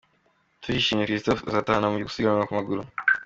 Tuyishimire Christophe uzahatana mu gusiganwa ku maguru.